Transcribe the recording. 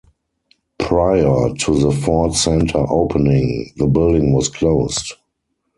Prior to the Ford center opening, the building was closed.